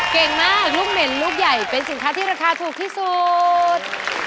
เก่งมากลูกเหม็นลูกใหญ่เป็นสินค้าที่ราคาถูกที่สุด